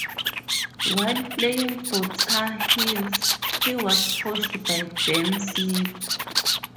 While playing for Tar Heels, he was coached by Dean Smith.